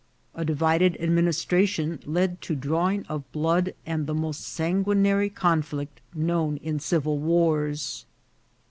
A divided administration led to drawing of blood and the most sanguinary con flict known in civil wars.